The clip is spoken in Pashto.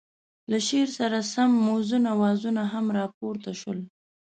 له شعر سره سم موزون اوازونه هم را پورته شول.